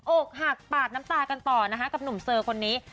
อกหักปาดน้ำตากันต่อนะคะกับหนุ่มเซอร์คนนี้